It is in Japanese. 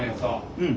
うん。